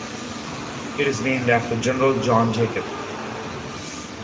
It is named after General John Jacob.